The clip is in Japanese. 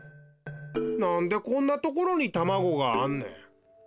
なんでこんなところにたまごがあんねん。